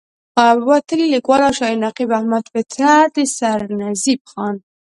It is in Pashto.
وتلے ليکوال او شاعر نقيب احمد فطرت د سرنزېب خان